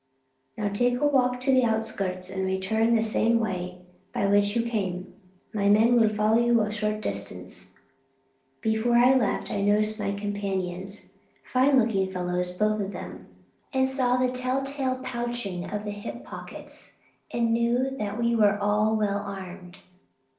"Now take a walk to the outskirts, and return the same way by which you came. My men will follow you at a short distance." Before I left I noticed my companions fine looking fellows both of them and saw the tell tale pouching of the hip pockets, and knew that we were all well armed.